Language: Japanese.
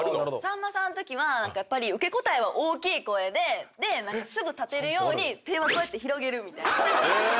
さんまさんのときはやっぱり受け答えは大きい声ですぐ立てるように手はこうやって広げるみたいな。